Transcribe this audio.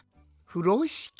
ふろしき？